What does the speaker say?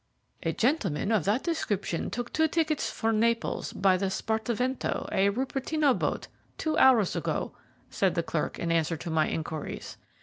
"A gentleman of that description took two tickets for Naples by the Spartivento, a Rupertino boat, two hours ago," said the clerk, in answer to my inquiries.